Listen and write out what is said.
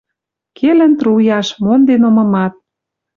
Келӹн труяш, монден омымат.